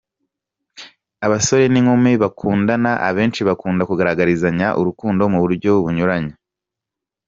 Abasore n’inkumi bakundana, abenshi bakunda kugaragarizanya urukundo mu buryo bunyuranye.